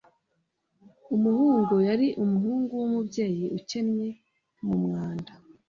Umuhungu yari umuhungu wumubyeyi ukennye wumwanda.